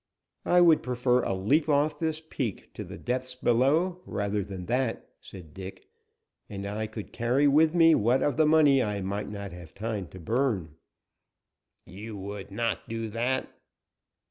"I would prefer a leap off this peak to the depths below, rather than that," said Dick, "and I could carry with me what of the money I might not have time to burn." "You would not do that."